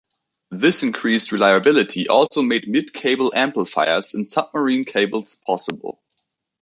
This increased reliability also made mid-cable amplifiers in submarine cables possible.